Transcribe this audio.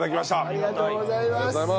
ありがとうございます。